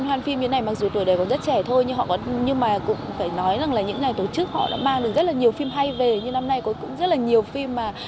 như năm nay cũng rất là nhiều phim mà